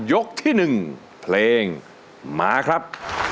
ที่๑เพลงมาครับ